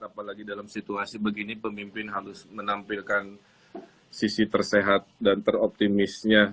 apalagi dalam situasi begini pemimpin harus menampilkan sisi tersehat dan teroptimisnya